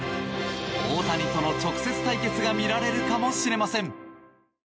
大谷との直接対決が見られるかもしれません。